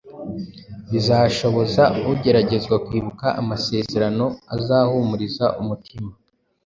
bizashoboza ugeragezwa kwibuka amasezerano azahumuriza umutima